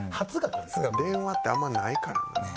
電話ってあんまないからな。